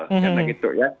karena gitu ya